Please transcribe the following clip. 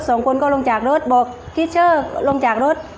สองคนก็ลงจากรถบอกพี่เชอร์ลงจากรถ